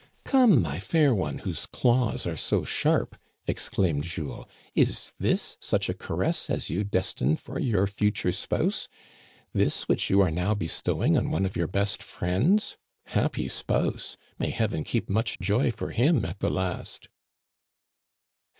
" Come, my fair one, whose claws are so sharp," ex claimed Jules, is this such a caress as you destined for your future spouse, this which you are now bestowing on one of your best friends ? Happy spouse ! May Heaven keep much joy for him at the last